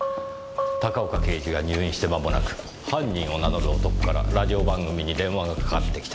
高岡刑事が入院してまもなく犯人を名乗る男からラジオ番組に電話がかかってきた。